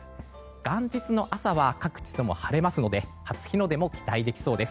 元日の朝は各地とも晴れますので初日の出も期待できそうです。